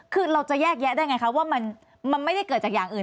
คือเราจะแยกแยะได้ไงคะว่ามันไม่ได้เกิดจากอย่างอื่น